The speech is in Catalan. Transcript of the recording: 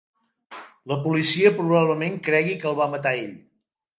La policia probablement cregui que el va matar ell.